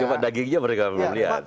cuma dagingnya mereka belum lihat